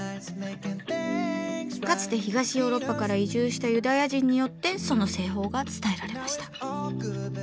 かつて東ヨーロッパから移住したユダヤ人によってその製法が伝えられました。